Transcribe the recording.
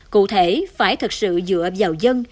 cụ thể phải thật sự dựa vào dân